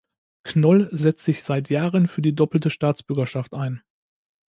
Knoll setzt sich seit Jahren für die doppelte Staatsbürgerschaft ein.